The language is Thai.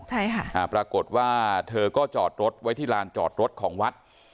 ใช่ค่ะอ่าปรากฏว่าเธอก็จอดรถไว้ที่ลานจอดรถของวัด